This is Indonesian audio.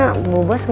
uya bu bos pergi lagi